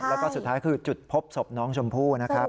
แล้วก็สุดท้ายคือจุดพบศพน้องชมพู่นะครับ